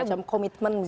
seperti komitmen gitu ya